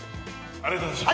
ありがとうございます。